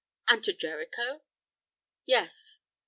"And to Jericho?" "Yes."